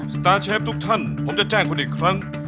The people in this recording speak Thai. สตาร์เชฟทุกท่านผมจะแจ้งคุณอีกครั้ง